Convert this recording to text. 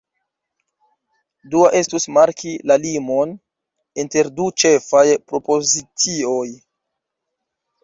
Dua estus marki la limon inter du ĉefaj propozicioj.